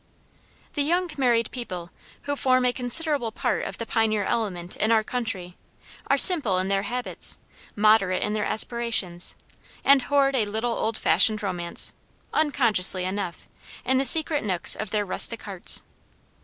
"The young married people, who form a considerable part of the pioneer element in our country, are simple in their habits, moderate in their aspirations, and hoard a little old fashioned romance unconsciously enough in the secret nooks of their rustic hearts.